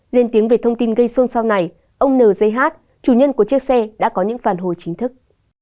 lên tiếng về thông tin gây xuân sau này ông n j h chủ nhân của chiếc xe đã có những phản hồi chính thức